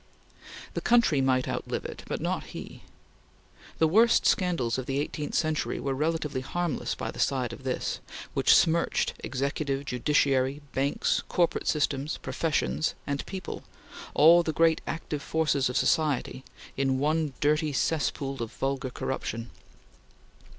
The country might outlive it, but not he. The worst scandals of the eighteenth century were relatively harmless by the side of this, which smirched executive, judiciary, banks, corporate systems, professions, and people, all the great active forces of society, in one dirty cesspool of vulgar corruption.